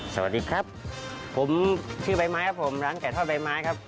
สวัสดีครับผมชื่อใบไม้ครับผมร้านไก่ทอดใบไม้ครับ